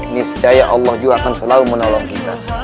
niscaya allah juga akan selalu menolong kita